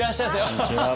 こんにちは。